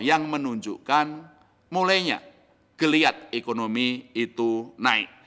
yang menunjukkan mulainya geliat ekonomi itu naik